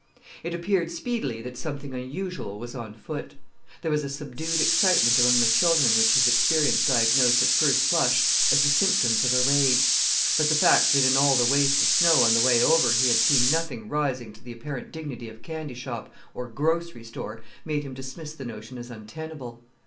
It appeared speedily that something unusual was on foot. There was a subdued excitement among the children which his experience diagnosed at first flush as the symptoms of a raid. But the fact that in all the waste of snow on the way over he had seen nothing rising to the apparent dignity of candy shop or grocery store made him dismiss the notion as untenable.